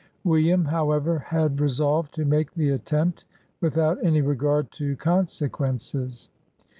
William, however, had re solved to make the attempt, without any regard to consequences.